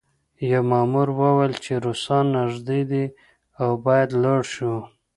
یوه مامور وویل چې روسان نږدې دي او باید لاړ شو